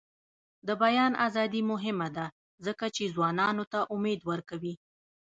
د بیان ازادي مهمه ده ځکه چې ځوانانو ته امید ورکوي.